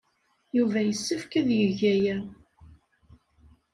Yuba yessefk ad yeg aya.